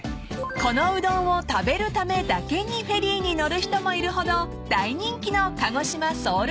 ［このうどんを食べるためだけにフェリーに乗る人もいるほど大人気の鹿児島ソウルフード］